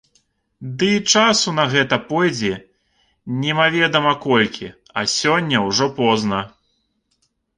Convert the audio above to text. Ды і часу на гэта пойдзе немаведама колькі, а сёння ўжо позна.